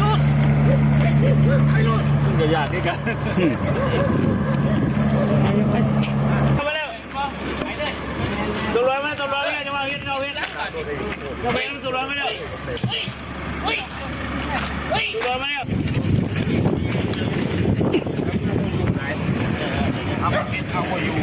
อ้าวอ้าวเอ้ยใครลดใครลดมึงจะอยากด้วยกันฮ่าฮ่า